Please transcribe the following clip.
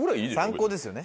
参考ですよね